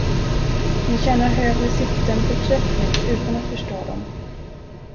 Ni tjänar högre syften förträffligt utan att förstå dem.